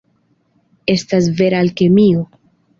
Estas vera alkemio.